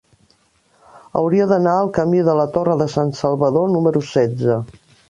Hauria d'anar al camí de la Torre de Sansalvador número setze.